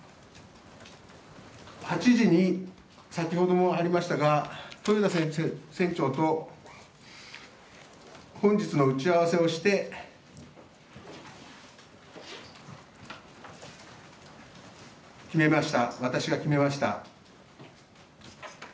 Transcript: ８時に、先ほどもありましたが豊田船長と本日の打ち合わせをして、私が決めました。